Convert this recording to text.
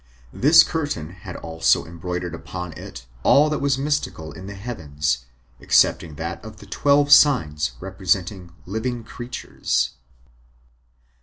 This curtain had also embroidered upon it all that was mystical in the heavens, excepting that of the [twelve] signs, representing living creatures.